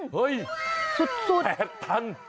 เฮ้ยสุด๘ตัน